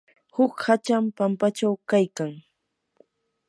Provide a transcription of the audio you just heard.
huk hacham pampachaw kaykan.